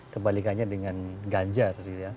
kebalikannya dengan ganjar